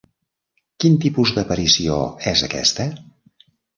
Quin tipus d'aparició és aquesta?